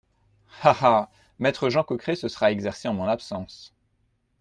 Ah ! ah ! maître Jean Coqueret se sera exercé en mon absence.